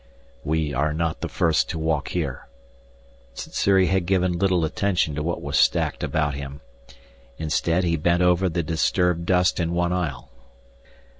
"We are not the first to walk here." Sssuri had given little attention to what was stacked about him. Instead he bent over the disturbed dust in one aisle.